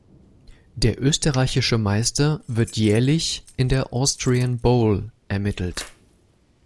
Der Österreichische Meister wird jährlich in der Austrian Bowl ermittelt.